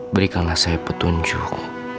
berikanlah saya petunjuk